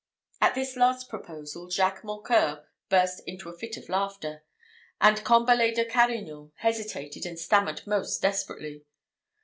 At this last proposal, Jacques Mocqueur burst into a fit of laughter; and Combalet de Carignan hesitated and stammered most desperately.